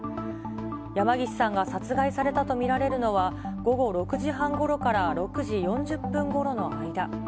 山岸さんが殺害されたと見られるのは、午後６時半ごろから６時４０分ごろの間。